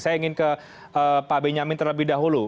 saya ingin ke pak benyamin terlebih dahulu